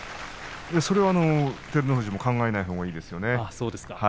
それは照ノ富士も考えないほうがいいですね。